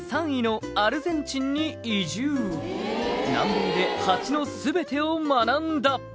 「南米でハチの全てを学んだ」